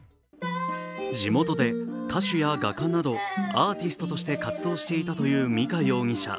地元で歌手や画家などアーティストとして活動していたという、美香容疑者。